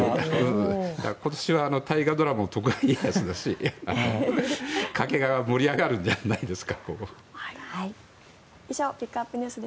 今年は大河ドラマも徳川家康だし掛川は盛り上がるんじゃないんですか。